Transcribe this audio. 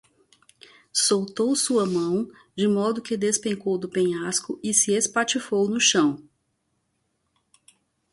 Soltou sua mão, de modo que despencou do penhasco e se espatifou no chão